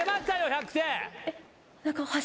１００点！